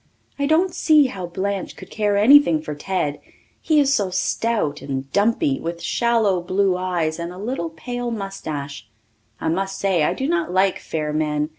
I don't see how Blanche could care anything for Ted he is so stout and dumpy; with shallow blue eyes and a little pale moustache. I must say I do not like fair men.